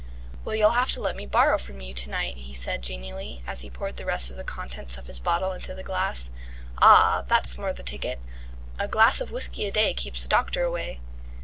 "Well, you'll have to let me borrow from you to night," he said genially, as he poured the rest of the contents of his bottle into the glass. "Ah, that's more the ticket! A glass of whisky a day keeps the doctor away."